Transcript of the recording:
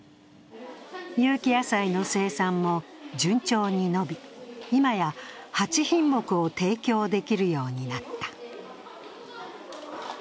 有機野菜の生産も順調に伸び、今や８品目を提供できるようになった。